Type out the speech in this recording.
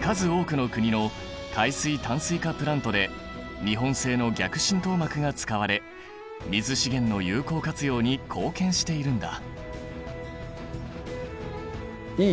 数多くの国の海水淡水化プラントで日本製の逆浸透膜が使われ水資源の有効活用に貢献しているんだ。